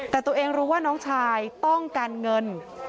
แต่ตัวเองรู้ว่าน้องชายต้องการเงิน